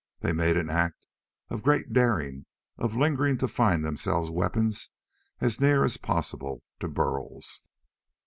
They made an act of great daring of lingering to find themselves weapons as near as possible to Burl's.